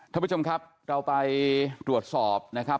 ท่านผู้ชมครับเราไปตรวจสอบนะครับ